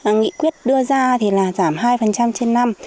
nghị quyết đưa ra thì là giảm hai trên năm